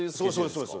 そうです。